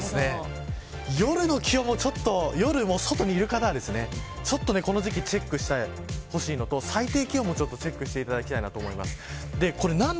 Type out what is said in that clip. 夜の気温も夜も外にいる方は、この時期チェックしてほしいのと最低気温もチェックしてほしいと思います。